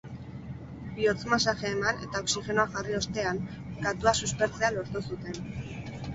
Bihotz-masajea eman eta oxigenoa jarri ostean, katua suspertzea lortu zuten.